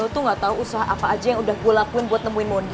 lo tuh nggak tahu usaha apa aja yang udah gue lakuin buat nemuin mundi